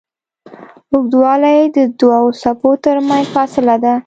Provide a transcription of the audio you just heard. اوږدوالی د دوو څپو تر منځ فاصله ده.